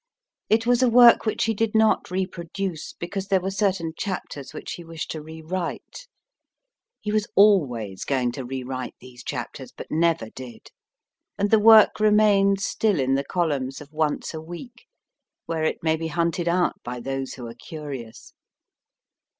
It was a work which he did not reproduce, because there were certain chapters which he wished to re write. He was always going to re write these chapters, but never did, and the work remains still in the columns of Once a Week, where it may be hunted out by those who are curious.